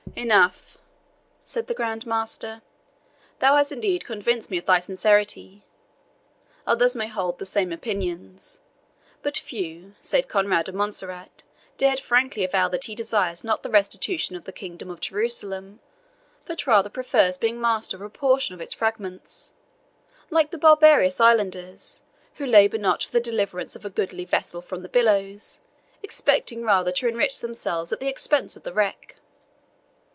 "Enough," said the Grand Master; "thou hast indeed convinced me of thy sincerity. Others may hold the same opinions, but few, save Conrade of Montserrat, dared frankly avow that he desires not the restitution of the kingdom of Jerusalem, but rather prefers being master of a portion of its fragments like the barbarous islanders, who labour not for the deliverance of a goodly vessel from the billows, expecting rather to enrich themselves at the expense of the wreck."